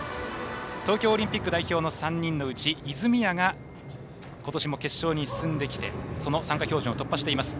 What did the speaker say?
東京オリンピック代表の３人のうち泉谷がことしも決勝に進んできてその参加標準記録を突破しています。